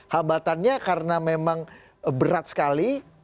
hambatannya karena memang berat sekali